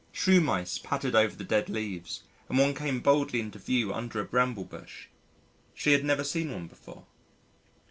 Shrew mice pattered over the dead leaves and one came boldly into view under a bramble bush she had never seen one before.